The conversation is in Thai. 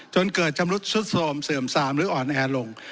จนเกิดชำรุดสุดโทรมเสื่อมซามหรืออ่อนแอลง